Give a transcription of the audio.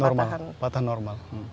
normal patahan normal